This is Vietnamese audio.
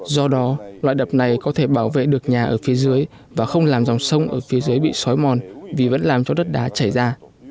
do đó loại đập này có thể bảo vệ được nhà ở phía dưới và không làm dòng sông ở phía dưới bị xói mòn vì vẫn làm cho đất đá chảy ra